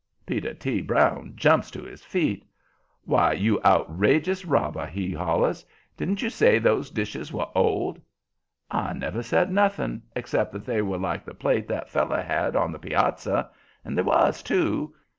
Peter T. Brown jumps to his feet. "Why, you outrageous robber!" he hollers. "Didn't you say those dishes were old?" "I never said nothing, except that they were like the plate that feller had on the piazza. And they was, too.